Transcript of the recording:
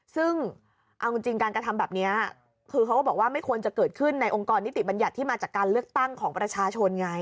ซึ่งเอาจริงการกระทำแบบนี้คือเขาก็บอกว่าไม่ควรจะเกิดขึ้นในองค์กรนิติบัญญัติที่มาจากการเลือกตั้งของประชาชนไง